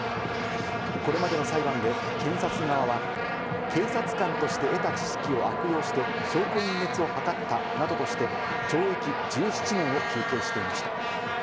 これまでの裁判で検察側は、警察官として得た知識を悪用して証拠隠滅を図ったなどとして懲役１７年を求刑していました。